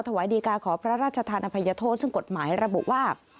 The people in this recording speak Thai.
ถวายดีการขอพระราชทานอภัยโทษซึ่งกฎหมายระบุว่า